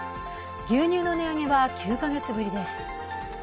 牛乳の値上げは９か月ぶりです。